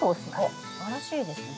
おっすばらしいですね。